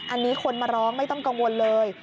อันนี้คนมาร้องไม่ต้องกังวลเลย